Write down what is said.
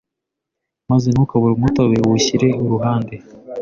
maze ukamure umutobe uwushyire uruhande,